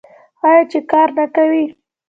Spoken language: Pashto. آیا چې کار نه کوي؟